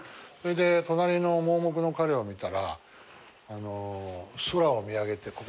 それで隣の盲目の彼を見たら空を見上げて。